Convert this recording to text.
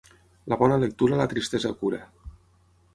La bona lectura la tristesa cura.